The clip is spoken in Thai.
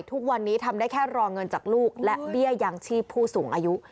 ทุกวันนี้ทำได้แค่รอเงินจากลูกและเบี้ยยังชีพผู้สูงอายุ